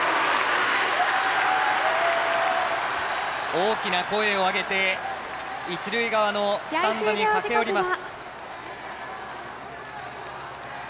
大きな声を上げて一塁側のスタンドに駆け寄ります。